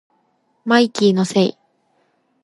マイキーのせい